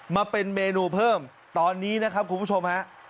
มาเป็นเมนูเพิ่มตอนนี้นะครับคุณผู้ชมฮะ